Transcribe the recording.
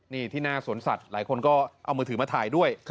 นี่ที่หน้าสวนสัตว์หลายคนก็เอามือถือมาถ่ายด้วย